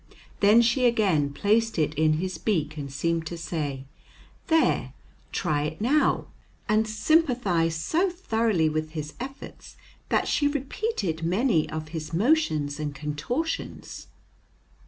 Then she again placed it in his beak, and seemed to say, "There, try it now," and sympathized so thoroughly with his efforts that she repeated many of his motions and contortions.